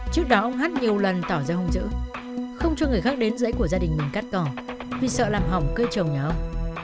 trước đó ông hát nhiều lần tỏ ra hung dữ không cho người khác đến dãy của gia đình mình cắt cỏ vì sợ làm hỏng cây trồng nhà ông